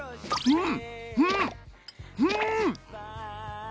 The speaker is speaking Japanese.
うん。